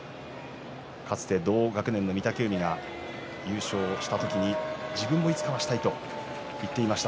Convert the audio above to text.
かつて同学年の御嶽海が優勝した時に自分も、いつかはしたいと言っていました。